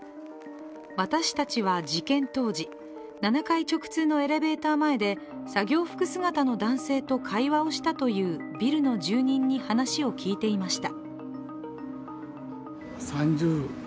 私たちは事件当時、７階直通のエレベーター前で作業服姿の男性と会話をしたというビルの住人に話を聞いていました。